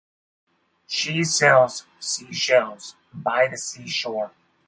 She sells sea shells by the sea shore.